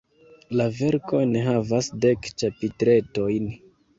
La verko enhavas dek ĉapitretojn.